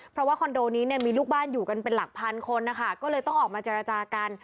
เพราะว่าคอนโดนี้เนี่ยมีลูกบ้านอยู่กันเป็นหลักพันคนนะคะก็เลยต้องออกมาเจรจากัน